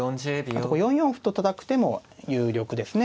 あと４四歩とたたく手も有力ですね。